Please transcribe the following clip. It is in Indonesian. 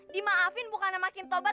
dimaafin bukan makin tobat